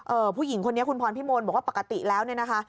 ผู้หญิงคนนี้คุณพรพิมลบอกว่าปกติแล้วเนี่ยนะคะ